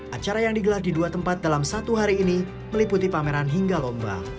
acara yang digelar di dua tempat dalam satu hari ini meliputi pameran hingga lomba